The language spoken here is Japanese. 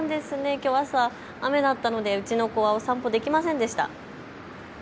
きょう朝、雨だったのでうちの子はお散歩できませんでした。